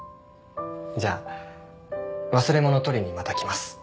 じゃあ忘れ物取りにまた来ます。